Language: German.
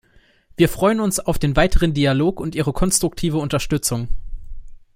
Wir freuen uns auf den weiteren Dialog und Ihre konstruktive Unterstützung.